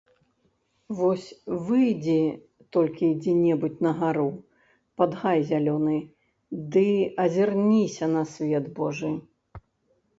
Вось выйдзі толькі дзе-небудзь на гару, пад гай зялёны, ды азірніся на свет божы!